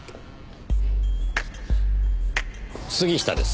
杉下です。